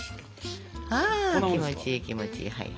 あ気持ちいい気持ちいい。